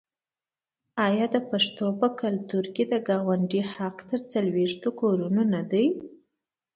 آیا د پښتنو په کلتور کې د ګاونډي حق تر څلوېښتو کورونو نه دی؟